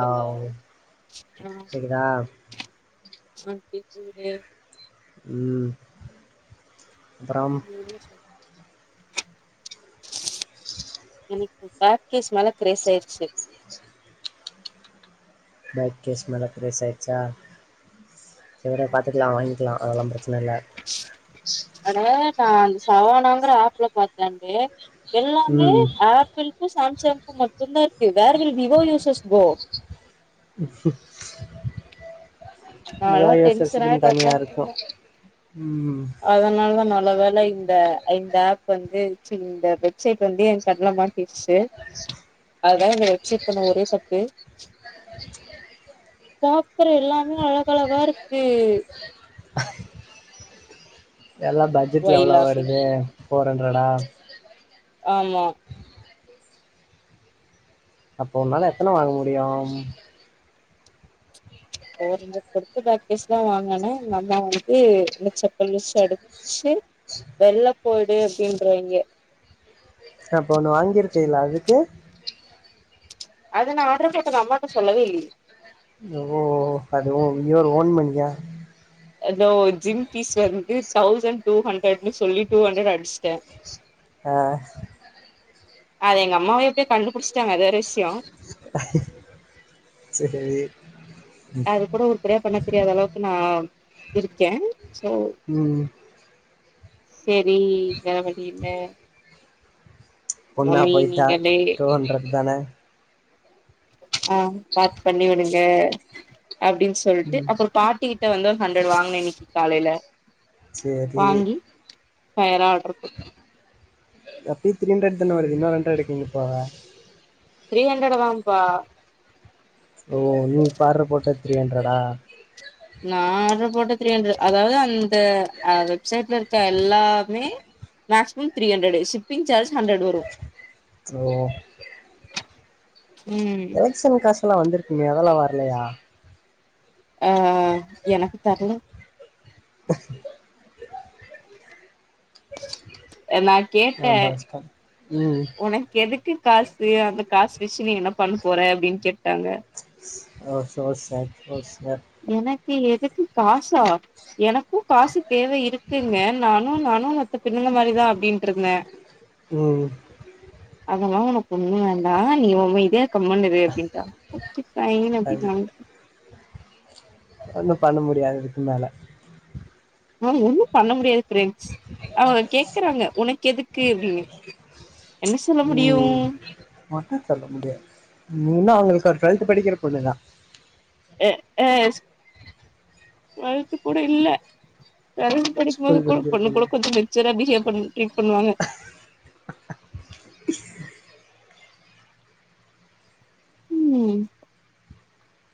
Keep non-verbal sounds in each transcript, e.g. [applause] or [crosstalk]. hello கேக்குதா சந்திக்குதே உம் [inaudible] எனக்கு பேக்கேஜ் மேல கிரேஸ் ஆயிருச்சு பேக்கேஸ் மேல கிரேஸ் ஆயிர்சா செரி பாத்துக்குலா வாங்கிக்குலா அதெல்லாம் பிரச்சுன்ன இல்ல அதனால நா அந் சவானாங்குற ஆப்புள பாத்தே அண்டே எல்லாமே ம் ஆப்பி்ள்ளுக்கு சாம் ச்சாம்பு மட்டும்தா இருக்கு வேற விவோ யூசர்ஸ் கோ நோ நாலா யோசஸ்சுக்குன் தனியா இருக்கு ம் அதுனால நல்லவேல்ல இந்த இந்த ஆப் ப்பு வந்து இச்சி இந்த வெப்சைட் வந்து என் கண்ணுல்ல மாட்டிருசாசு அதா இந்த வெப்சைட் பண்ண ஒரே தப்பு சாப்புற எல்லாமே அழகழகா இருக்கு எல்லா பட்ஜெட்டுல வை எவ்ளோ லாஃபிங் வருது போஃர் ஹண்ரர்டடா ஆம்மா அப்ப உன்னால எத்துன வாங்கு முடியும் [unintelligible] எங்க அம்மா வந்து [unintelligible] அடிச்சு வெள்ளத்தோடு அப்டின்றாயிங்க அப்போ ஒண்ணு வாங்கிருக்கீல அதுக்கு அது நா ஆடரு போட்டது அம்மாட்ட சொல்லவே இல்லியே ஓ அது ஓ இன்னோரு ஒன் இனிக எதோ ஒர் ஜிம்பீஸ் வருது தௌசண்ட் டூ ஹண்ட்ரட்னு சொல்லி டூ ஹண்ட்ரட் அடிச்ட்டே ஆஹ் அத எங்க அம்மாவே எப்பியே கண்டுபிடிச்சுட்டாங்க அதுவேற விஷ்யோ சேரி அது கூட உருப்படியா பண்ண தெரியாத அளவுக் நா இருக்கே உம் சரி வேற வழி இல்ல பொண்ணா மம்மி போயிட்டா டூ ஹண்ட்ரட் தான ஆஹ் பேக் பண்ணி விடுங்க அப்டின்னு சொல்ட்டு ம் அப்பற பாட்டிக்கிட்ட வந்து ஹண்ட்ரட் வாங்ன இன்னைக்கு காலையில சரி ஃபயரா ஆடர் குடுத் எப்பவு த்ரீ ஹண்ட்ரட் தான வருது இன்னொரு ஹண்ட்ரடுக்கு எங்க போவ த்ரீ ஹண்ட்ரட் தான்ப்பா ஓ நீங்க ஆர்டர் போட்டா த்ரீ ஹண்ட்ரடா நா ஆர்டர் போட்ட த்ரீ ண்ட்் அதாவது அந்த வெப்சைட்ல இருக்க எல்லாமே maximum three hundred shipping charge hundred வரு ஓ ம் ரேஷன் காசு வந்திருக்குங்க அதெல்லா வரலையா ஆஹ் எனக்கு தெரில என்னா கேட்டே ரொம்ப கஷ்டோ ம் உனக்கு எதுக்கு காஸ் அந்த காசு வச்சு நீ என்ன பண் போற அப்டின்னு கேட்டாங்க ஆ சோ ஸாரி சோ எனக் கு எதுக்கு காசா எனக்கு காசு தேவை இருக்குங்க நானு நானு மத்த பெண்ணுங்க மாரி தா அப்படின்ருந்தே உம் அதெல்லா உனக்கு ஒண்ணு வேண்டாம் நீ அமைதியா கம்முனு இரு அப்படின்டாங்க நா இனிமே அப்டித்தா ஒன்னோ பண்ண முடியாது அதுக்கு மேல ஆ ஒன்னோ பண்ண முடியாது ஃப்ரெண்ட்ஸ் அவுங்க கேக்குறாங்க உனக்கு எதுக்கு அப்டின்னு என்ன சொல்ல முடியும் ம் ஒன்னோ சொல்ல முடியாது நீ இன்னும் அவுங்களுக்கு டுவெல்த் படிக்கிற பொண்ணுதா ஹ டுவெல்த் கூட இல்ல டுவெல்த் படிக்கும் போது ஸ்கூல் கூட படிக்கிற பொண்ணுங்க பொண்ணு கூட கொஞ்சோ மெச்சுரா பிஹேவ் ட்ரீட் பண்ணுவாங்க ம்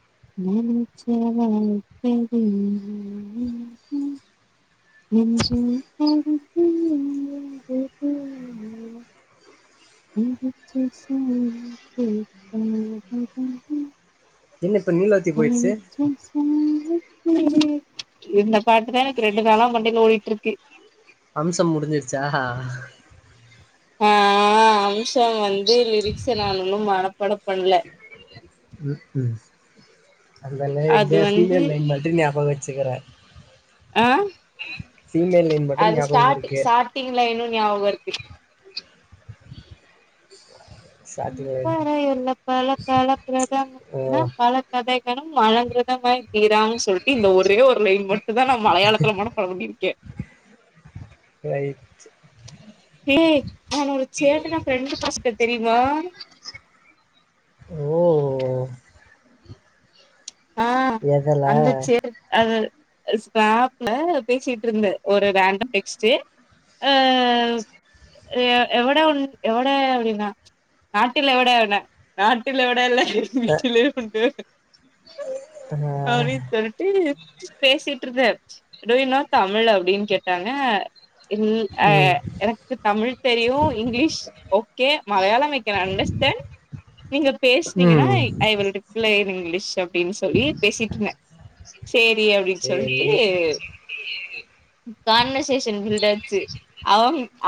[unintelligible] என்ன இப்ப நீலவத்தி [unintelligible] போயிடுச்சு இந்த பாட்டுதா எனக்கு ரெண்டு நாளா மண்டைல ஓடிட்டு இருக்கு அம்சம் முடிஞ்சிருச்சா ஆ அம்ஷம் வந்து லிரிக்ஸ நா இன்னும் மனப்பாடம் பண்ணல ம் ம் அது வந்து [unintelligible] ம்போ வெச்சுக்குறே ஆ மட்டு அது ஞாபகம் ஸ்டார் இருக்கு ஸ்டார்ட்டிங்ல இன்னொ ஞாபகம் இருக்கு [unintelligible] ஸ்டார்டிங் மழங்கிறத லைன் ஓ மாதிரி தீராான்ங்கன் சொல்ட்டு இந்த ஒரே ஒரு லைன் மட்டும் தா நான் மலையாளத்துல மனப்பாட பண்ணிருக்கேன் [unintelligible] ஹே நான் ஒரு சேட்டன ஃப்ரெண்டு பிடுச்சுட்டே தெரியுமா ஓ ஆ எதுல வந்துச்சு அது ஸ்டாப்ல பேசிட்டு இருந்தேன் ஒரு ரேண்டம் டெக்ஸ்டு அ எவ எவட அப்டின்னா நாட்டில் எவடனா நாட்டில் எவட இல்ல அ [unintelligible] ஆ அப்டின்னு சொல்ட்டு பேசிட்டு இருந்த டூ யூ னோ தமிழ் அப்டின்னு கேட்டாங்க ம் எனக்கு தமிழ் தெரியும் English okay Malayalam I can understand நீங்க பேசுனீங்கனா ம் I will reply in English அப்டின்னு சொல்லி பேசிட்டு இருந்தே செரி அப்டின்னு சொல்லிட்டு சேரி கானவர்சேஷன் பில்ட் ஆச்சு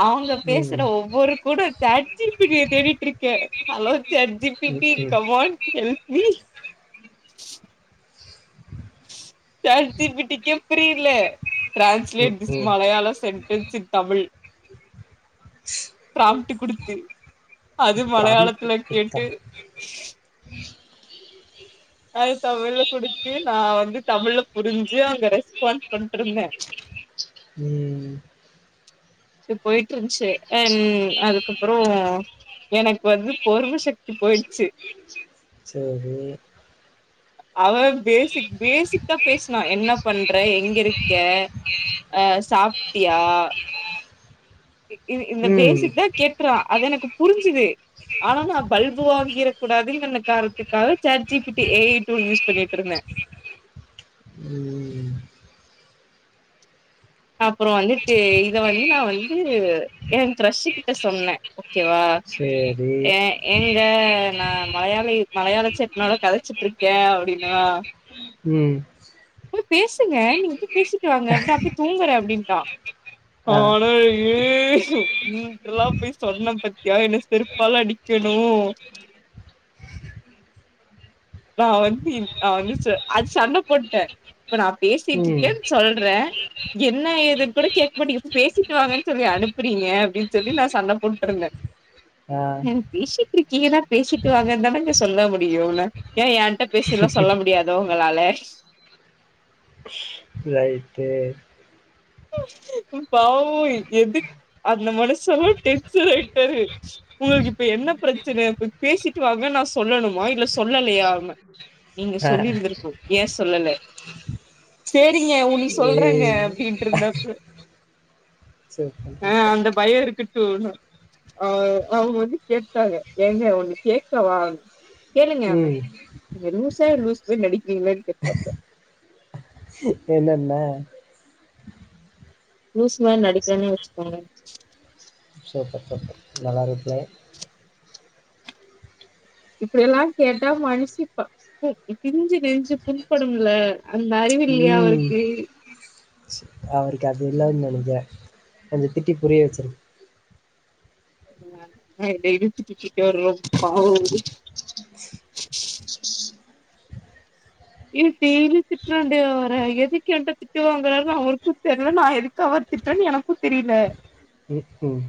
அவுங்க ம் பேசுற ஒவ்வொரு கூட சாட் ஜி பி டி ய தேடிட்டு இருக்க hello chat G P hmm T hmm come on help me chat G P டிக்கே புரியுல hmm translate this hmm Malayalam sentence in Tamil draft குடுத்து அது ப்ராம்ப்ட் மலையாளத் ல குடுத்தா கேட்டு அது தமிழ்ல குடுத்து நான் வந்து தமிழ்ல புரிஞ்சு அங்க ரெஸ்பான்ஸ் பண்ட்ருந்தேன் ம் இ போயிட்டு இருச்சு அ அதுக்கப்புறோ எனக்கு வந்து பொரும சக்தி போயிடுச்சு சேரி அவ பேசிக் பேசிக்கா பேசுனா என்ன பண்ற எங்க இருக்க அ சாப்பிட்டியா இந்த ம் பேசிக் தா கேக்குறா அது எனக்கு புரிஞ்சுது ஆனா நா பல்பு வாங்கிடக் கூடாதுங்கிற காரணத்துக்காக chat G P T A I tool use பண்ணிட்டு இருந்த ம் அப்புறோ வந்துட்டு இத வந்து நா வந்து என கிரஷூக்கிட்ட சொன்னே ஓ கே வா சேரி எ எ இங்க நா மலையாளி மலையாள சேட்டனோட கதச்சிட்டு இருக்கேன் அப்டின்னனா ம் போய் பேசுங்க நீங்க போய் பேசிட்டு வாங்க அப்ப நா போய் தூங்குறேன் அப்டிங்குறா ஆ ஆனா ஏ இதெல்லா போய் சொன்னே பத்தியா என்ன செருப்பால அடிக்கணு நான் வந்து நா வந்து அது சண்ட போட்டே இப்ப நா பேசிட்டு ம் இருக்கேன்னு சொல்றே என்ன ஏதுன்னு கூட கேட்க மாட்டிங்க போய் பேசிட்டு வாங்கன்னு சொல்லி அனுப்புறீங்க அப்டின்னு சொல்லி நான் சண்ட போட்டுருந்தேன் ஆ பேசிட்டு இருக்கே ஏன்னான் பேசிட்டு இருக்கிங்கன்னா பேசிட்டி வாங்கன்னு தானங்க சொல்ல முடியும்ன ஏ என்ட்ட பேச எல்லா சொல்ல முடியாது தோ உங்களால ரைட்டு பாவ எது அந்த மனுசல்லா டென்சன் ஆயிட்டாரு உனக்கு இப்ப என்ன பிரச்சன போய் பேசிட்டு வாங்க நான் சொல்லணுமா இல்ல சொல்லலையா நீங்க ஆ சொல்லிருந்தருப்போ ஏன் சொல்லல சரிங்க உ நீ சொல்றங்க ஏய் அப்படின் இருந்தா சூப்பர் ஆஹ் சூப்பர் அந்த பயம் இருக்கட்டும் ஓ அஹ் அவங்க வந்து கேட்டாங்க ஏங்க ஒண்ணு கேட்கவா கேளுங்கனே ம் நீங்க லூசா லூஸ் மாதிரி நடிக்கிறீங்களன்னு கேட்டாப்ப என்னன லூஸ் மாரி நடிக்கிறேனே வச்சுக்கோங்க சூப்பர் சூப்பர் நல்லா ரிப்ளை இப்படியெல்லா கேட்டா மனுசி பிஞ்சு நெஞ்சு புண்படும்ல அந்த அறிவு இல்லையா ம் அவருக்கு அவருக்கு அது இல்லனு நினைக்கிறே கொஞ்சம் திட்டி புரிய வச்சிருன் அப்டின்ட்டு திட்டிட்டாருங்க பாவ ஏ டெய்லி திட்டுறேன்டே அவர எதுக்கு என்கிட்ட திட்டுவாங்கறாருன்னு அவருக்கு தெரியல நான் எதுக்கு அவர திட்றேன்னு எனக்கு தெரியல உம் உம்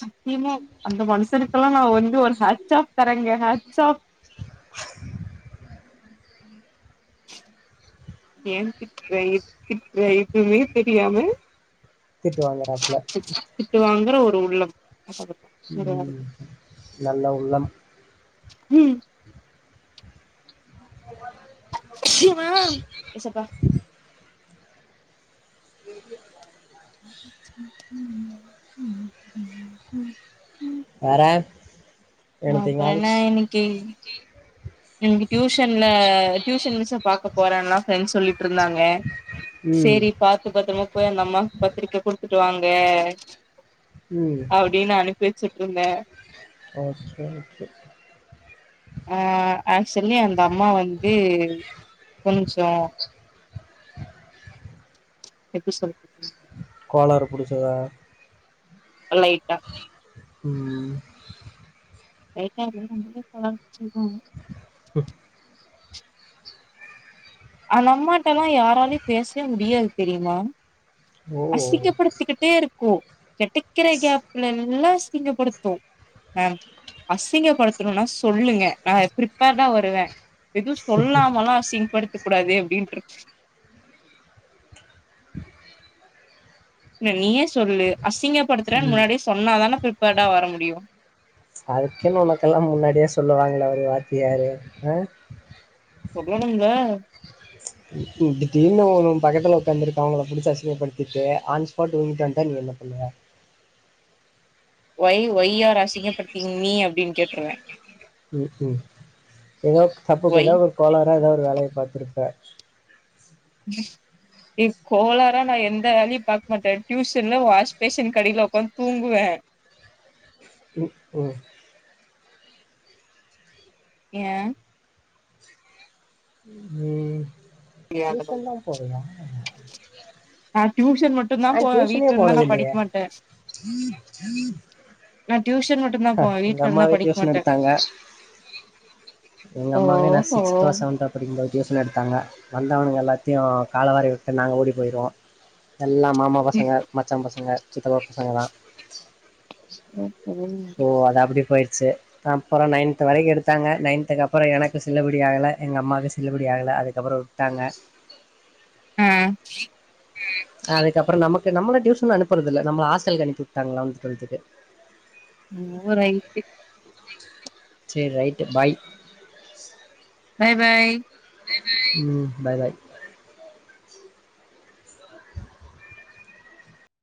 சத்தியமா அந்த மனுஷனுக்கெல்லா நா வந்து ஒரு ஹட்ச் ஆப் தரேங்க ஹட்ச் ஆப் ஏன் திட்ற எதுக் திட்ற எதுவுமே தெரியாம திட்டு வாங்கறாப்ல கிற ஒரு உள்ளம் [unintelligible] நல்ல உள்ளம் உம் அச்சிவா எசப்பா வேற எனிதிங் அப்புற என்ன எல்ஸ் இன்னிக்கி இன்னிக்கு டியூஷன்ல டியூஷன் மிஸ்ஸ பாக்க போறேன்லா ஃப்ரண்ட்ஸ் சொல்லிட்டிருந்தாங்க ம் சரி பாத்து பத்திரமா போ போய் அந்த அம்மாக்கு பத்திரிக்க குடுத்துட்டு வாங்க ம் அப்டின்னு அனுப்பி வச்சு இருந்த ஓகே ஓகே அஹ ஆக்சுலி அந்த அம்மா வந்து கொஞ்சோ ச் எப்படி சொல்றது கோளறு புடிச்சதா லைட்டா உம் லைட்டா இருந்தாலுமே கோளாறு புடிச்சதுதா அந்த அம்மாட்ட எல்லா யாராலயு பேசவே முடியாது தெரியுமா ஓ அசிங்கப்படுத்திக்கிட்டே இருக்கு கெடைக்கிற கேப்ல எல்லா அசிங்கப்படுத்து மேம் அசிங்கப்படுத்தணும்னா சொல்லுங்க நா பிரிப்பேர்டா வருவே எதுவு சொல்லாமல்லா அசிங்கப்படுத் தக் கூடாது அப்டின்ட்டுருச் இல்ல நீயே சொல்லு அசிங்கப்படுத்துறேன்னு ம் முன்னாடியே சொன்னாதானே பிரிப்பேர்டா வர முடியு அதுக்குன்னு உனக்கெல்லா முன்னாடியே சொல்லுவாங்கள அவரு வாத்தியாரு அ [unintelligible] நீ இப்டி திரும்ப போது உன் பக்கத்துல உக்காந்துருக்கவங்கள புடிச்சி அசிங்கப்படுத்திட்டு ஆன் ஸ்பாட் உங்கிட்ட வந்த நீ என்ன பண்ணுவ ஒய் ஒய்யூ ஆர் அசிங்க படுத்திங் மீ அப்டின்னு கேட்டுருவே ம் ம் ஏதோ தப்புக்கு ஒய் ஏதாவது ஒரு கோலாரா ஏதா ஒரு வேலையபாத்துருப் ப எ கோலாரா நா எந்த வேலையு பாக்க மாட்டே டியூசன்ல வாஷ் பேஷன்கு அடியில உக்காந்து தூங்குவ உம் ஏ ஏ அந்த இப்பந் தா போறயா நா டியூஷன் மட்டுந்தா நான் போவே டியூஷனே வீட்டுல இருந்தா நா போனது படிக்க இல்லையே மாட்டே நா டியூஷன் மட்டுந்தா போவே எங்கள் வீட்டுல இருந்தா நா அம்மாவே படிக்க டியூஷன் மாட்டே எடுத்தாங்க எங்கள் ஓ அம்மாவே நான் ஓ சிக்ஸ்த்தோ செவன்த்தோ படிக்கும்போது டியூஷன் எடுத்தாங்க வந்தவனுங்க எல்லா த்தையு காலவாரிவிட்டு நாங்க ஓடி போயிருவோ எல்லா மாமா பசங்க மச்சா பசங்க சித்தப்பா பசங்கதா ம் ஓ அது அப்டி போயி ரச்சு அப்புற நைன்த்து வரைக்கு எடுத்தாங்க நைன்த்தக்கு அப்புறம் எனக்கு சில்லுபடி ஆகல எங்க அம்மாவுக்கு சில்லுபடி ஆகல அதுக்கப்புறம் விட்டாங்க அ ம் அதுக்கு அப்புறம் நமக்கு நம்ம டியூஷன் அனுப்புறதுல்ல நம்மள ஆஸ்டலுக்கு அனுப்பி விட்டாங்களா லெவேண்த் டுவெல்துக்கு ஓ ரைட்டு சரி right bye bye bye bye பய் ம் பய் பய்